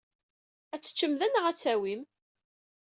Ad t-teččem da neɣ ad t-tawim?